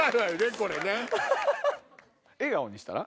笑顔にしたら？